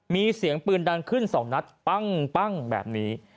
มีเสียงปืนดังขึ้น๒นัดปั้งแบบนี้